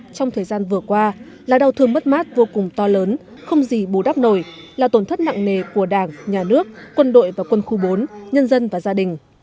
trong thời gian vừa qua là đau thương mất mát vô cùng to lớn không gì bù đắp nổi là tổn thất nặng nề của đảng nhà nước quân đội và quân khu bốn nhân dân và gia đình